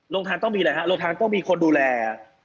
โรงทานต้องมีอะไรฮะโรงทานต้องมีคนดูแล